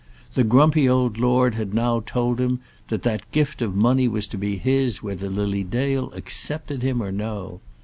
The grumpy old lord had now told him that that gift of money was to be his whether Lily Dale accepted him or no.